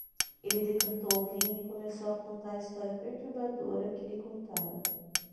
Ele decantou o vinho e começou a contar a história perturbadora que lhe contaram.